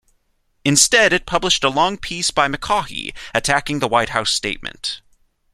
Instead it published a long piece by McCaughey attacking the White House statement.